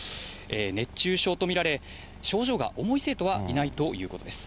熱中症と見られ、症状が重い生徒はいないということです。